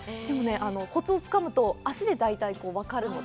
コツをつかむと足で大体分かるので。